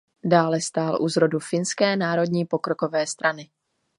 Dále stál u zrodu Finské národní pokrokové strany.